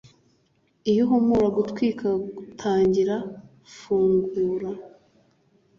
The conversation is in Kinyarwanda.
iyo uhumura gutwika gutangira, fungura